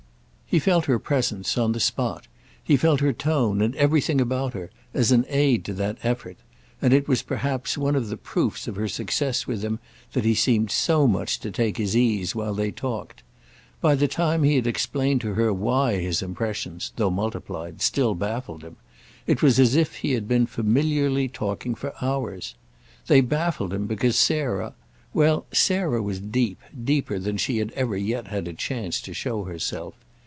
He felt her presence, on the spot, he felt her tone and everything about her, as an aid to that effort; and it was perhaps one of the proofs of her success with him that he seemed so much to take his ease while they talked. By the time he had explained to her why his impressions, though multiplied, still baffled him, it was as if he had been familiarly talking for hours. They baffled him because Sarah—well, Sarah was deep, deeper than she had ever yet had a chance to show herself.